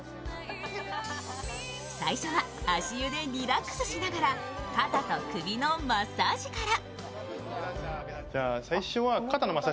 最初は足湯でリラックスしながら肩と首のマッサージから。